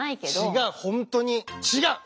違う本当に違う！